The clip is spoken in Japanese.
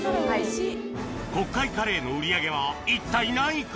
国会カレーの売り上げは一体何位か？